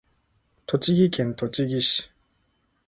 栃木県栃木市